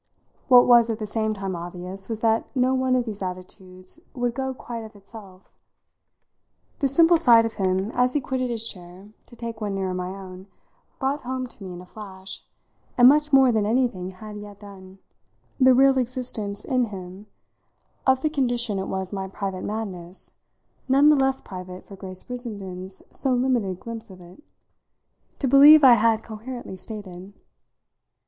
What was at the same time obvious was that no one of these attitudes would go quite of itself. The simple sight of him as he quitted his chair to take one nearer my own brought home to me in a flash and much more than anything had yet done the real existence in him of the condition it was my private madness (none the less private for Grace Brissenden's so limited glimpse of it,) to believe I had coherently stated.